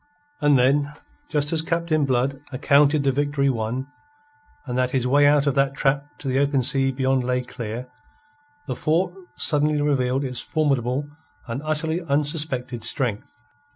And then, just as Captain Blood accounted the victory won, and that his way out of that trap to the open sea beyond lay clear, the fort suddenly revealed its formidable and utterly unsuspected strength.